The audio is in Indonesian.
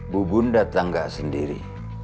bubun datang gak sendiri